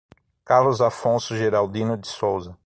Carlos Afonso Geraldino de Souza